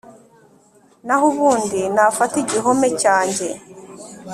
Naho ubundi nafate igihome cyanjye